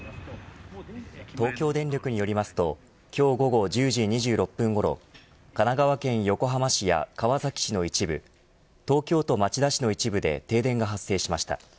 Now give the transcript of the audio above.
東京電力によりますと今日午後１０時２６分ごろ神奈川県横浜市や川崎市の一部東京都町田市の一部で停電が発生しました。